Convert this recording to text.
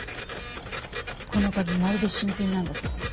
この鍵まるで新品なんだそうです。